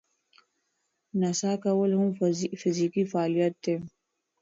نڅا کول هم فزیکي فعالیت دی.